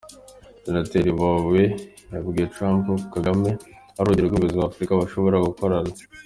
Senateri Inhofe yabwiye Trump ko Kagame ari urugero rw’umuyobozi wa Afurika bashobora gukorana.